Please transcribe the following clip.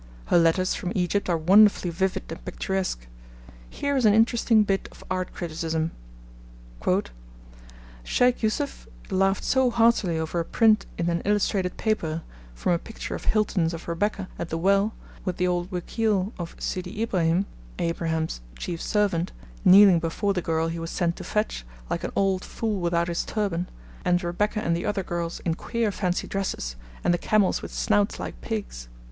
Her letters from Egypt are wonderfully vivid and picturesque. Here is an interesting bit of art criticism: Sheykh Yoosuf laughed so heartily over a print in an illustrated paper from a picture of Hilton's of Rebekah at the well, with the old 'wekeel' of 'Sidi Ibraheem' (Abraham's chief servant) kneeling before the girl he was sent to fetch, like an old fool without his turban, and Rebekah and the other girls in queer fancy dresses, and the camels with snouts like pigs.